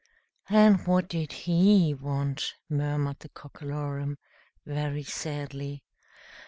"And what did he want?" murmured the Cockalorum, very sadly.